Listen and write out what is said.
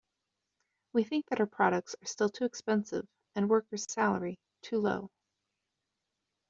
We think that our products are still too expensive and worker's salary too low.